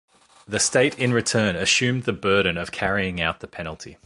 The State in return assumed the burden of carrying out the penalty.